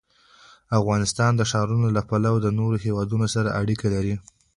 افغانستان د ښارونه له پلوه له نورو هېوادونو سره اړیکې لري.